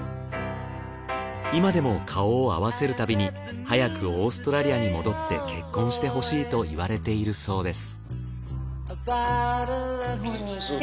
今でも顔を合わせる度に早くオーストラリアに戻って結婚してほしいと言われているそうです。